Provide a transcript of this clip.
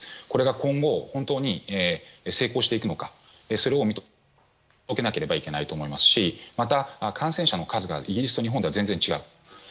これが本当に成功してくのかそれを見届けなければいけないと思いますしまた、感染者の数がイギリスと日本では全然違う。